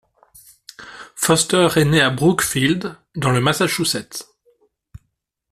Foster est né à Brookfield, dans le Massachusetts.